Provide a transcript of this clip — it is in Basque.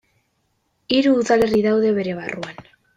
Hiru udalerri daude bere barruan.